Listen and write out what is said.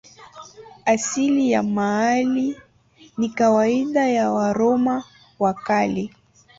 Asili ya maili ni kawaida ya Waroma wa Kale.